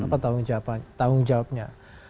apa tanggung jawabnya